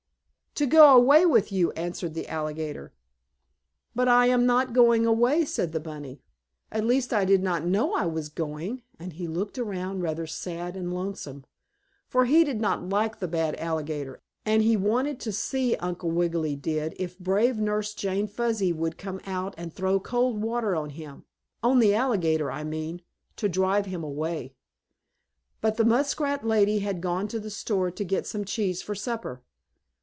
"To go away with you," answered the alligator. "But I am not going away," said the bunny. "At least I did not know I was going," and he looked around rather sad and lonesome, for he did not like the bad alligator, and he wanted to see, Uncle Wiggily did, if brave Nurse Jane Fuzzy would not come out and throw cold water on him on the alligator, I mean to drive him away. But the muskrat lady had gone to the store to get some cheese for supper.